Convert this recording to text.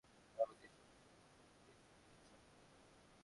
একটা সময় তাঁদের মনে রাখলেও পরবর্তী সময়ে শুধু মৃত্যুদিনেই স্মরণ করা হয়।